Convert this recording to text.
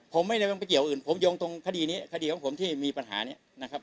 ผมไม่ได้ไปเกี่ยวอื่นผมโยงตรงคดีนี้คดีของผมที่มีปัญหานี้นะครับ